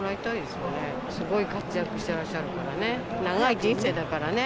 すごい活躍してらっしゃるからね、長い人生だからね。